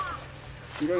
広い。